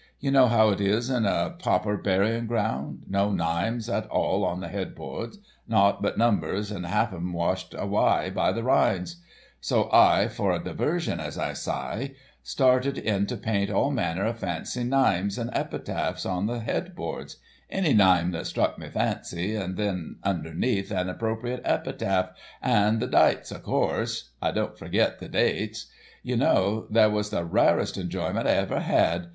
Ye know how it is in a pauper burying ground—no nymes at all on the headboards—naught but numbers, and half o' them washed awye by the rynes; so I, for a diversion, as I sye, started in to paint all manner o' fancy nymes and epitaphs on the headboards—any nyme that struck me fancy, and then underneath, an appropriate epitaph, and the dytes, of course—I didn't forget the dytes. Ye know, that was the rarest enjoyment I ever had.